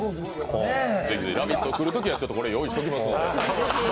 別に「ラヴィット！」来るときには、これ用意しておきますんで。